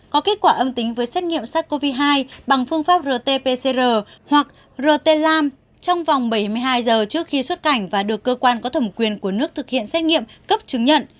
có kết quả âm tính với xét nghiệm sars cov hai bằng phương pháp rt pcr hoặc rt lam trong vòng bảy mươi hai giờ trước khi xuất cảnh và được cơ quan có thẩm quyền của nước thực hiện xét nghiệm cấp chứng nhận